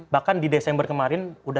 bahkan di desember kemarin